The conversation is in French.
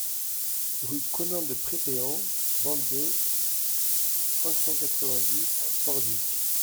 Rue Conen de Prépéan, vingt-deux, cinq cent quatre-vingt-dix Pordic